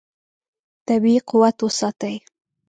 طبیعي قوت وساتئ.